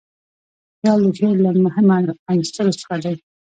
خیال د شعر له مهمو عنصرو څخه دئ.